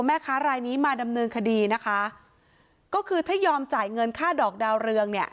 แม่ค้ารายนี้มาดำเนินคดีนะคะก็คือถ้ายอมจ่ายเงินค่าดอกดาวเรืองเนี่ย